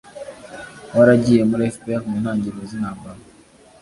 waragiye muri fpr mu ntangiriro z'intambara